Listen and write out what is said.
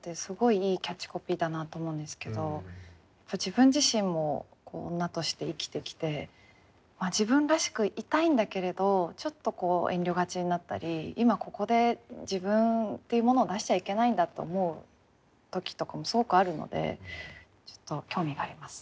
自分自身も女として生きてきて自分らしくいたいんだけれどちょっと遠慮がちになったり今ここで自分っていうものを出しちゃいけないんだと思う時とかもすごくあるのでちょっと興味があります。